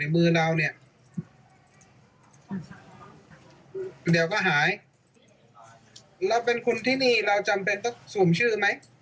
มือเราเนี่ยเดี๋ยวก็หายเราเป็นคนที่นี่เราจำเป็นต้องสูมชื่อไหม